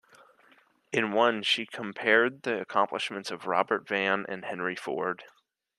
In one, she compared the accomplishments of Robert Vann and Henry Ford.